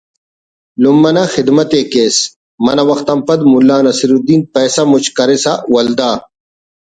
لمہ نا خذمت ءِ کیس منہ وخت آن پد ملا نصرالدین پیسہ مچ کرسا ولدا